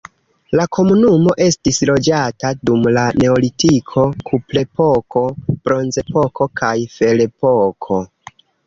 La komunumo estis loĝata dum la neolitiko, kuprepoko, bronzepoko kaj ferepoko.